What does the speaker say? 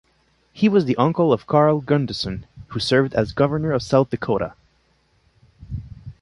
He was the uncle of Carl Gunderson who served as Governor of South Dakota.